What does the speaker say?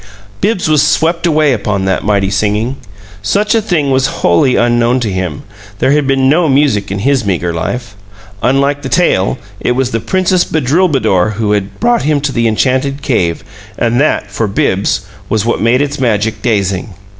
Bibbs was swept away upon that mighty singing. Such a thing was wholly unknown to him; there had been no music in his meager life. Unlike the tale, it was the Princess Bedrulbudour who had brought him to the enchanted cave, and that for Bibbs was what made its magic dazing.